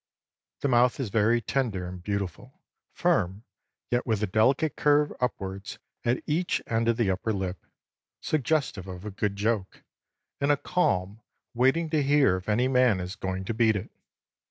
The mouth is very tender and beautiful, firm, yet with a delicate curve upwards at each end of the upper lip, suggestive of a good joke, and of a calm waiting to hear if any man is going to beat it.